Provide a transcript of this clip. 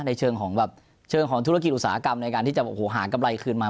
ในเชิงของแบบเชิงของธุรกิจอุตสาหกรรมในการที่จะหากำไรคืนมา